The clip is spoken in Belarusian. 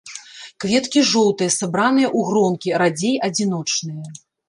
Кветкі жоўтыя, сабраныя ў гронкі, радзей адзіночныя.